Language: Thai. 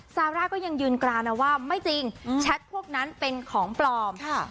ซาร่าก็ยังยืนกรานนะว่าไม่จริงแชทพวกนั้นเป็นของปลอม